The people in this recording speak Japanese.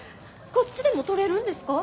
こっちでも取れるんですか？